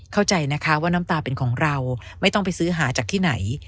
เข้าใจนะคะว่าน้ำตาเป็นของเราไม่ต้องไปซื้อหาจากที่ไหน